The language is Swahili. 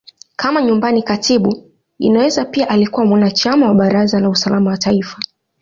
Kama Nyumbani Katibu, Inaweza pia alikuwa mwanachama wa Baraza la Usalama wa Taifa.